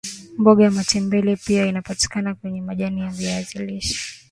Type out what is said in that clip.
mboga ya matembele pia inapatika kwenya majani ya viazi lishe